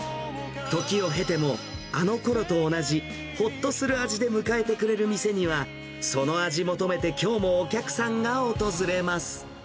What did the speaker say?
時を経ても、あのころと同じほっとする味で迎えてくれる店には、その味求めて、きょうもお客さんが訪れます。